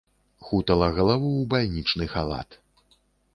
Хутала галаву ў бальнічны халат.